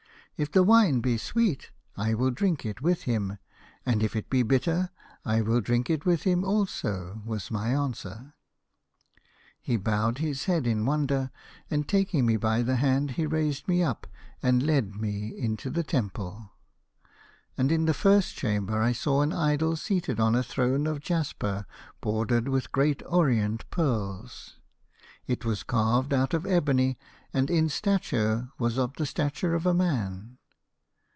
"' If the wine be sweet I will drink it with him, and if it be bitter I will drink it with him also,' was my answer. "He bowed his head in wonder, and, taking 93 A House of Pomegranates. me by the hand, he raised me up, and led me into the temple. " And in the first chamber I saw an idol seated on a throne of jasper bordered with great orient pearls. It was carved out of ebony, and in stature was of the stature of a man.